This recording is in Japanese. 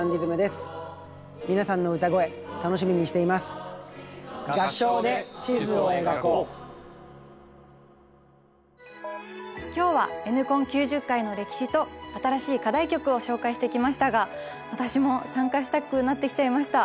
今年の中学校の部課題曲を制作した今日はＮコン９０回の歴史と新しい課題曲を紹介してきましたが私も参加したくなってきちゃいました！